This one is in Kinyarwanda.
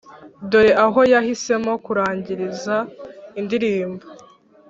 dore aho yahisemo kurangiza indirimbo